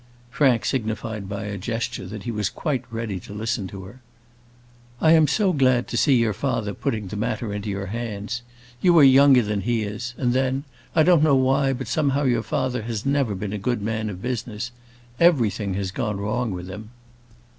Frank signified by a gesture, that he was quite ready to listen to her. "I am so glad to see your father putting the matter into your hands. You are younger than he is; and then I don't know why, but somehow your father has never been a good man of business everything has gone wrong with him."